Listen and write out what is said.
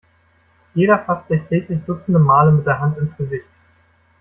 Jeder fasst sich täglich dutzende Male mit der Hand ins Gesicht.